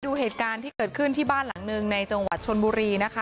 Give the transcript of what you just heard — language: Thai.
ดูเหตุการณ์ที่เกิดขึ้นที่บ้านหลังหนึ่งในจังหวัดชนบุรีนะคะ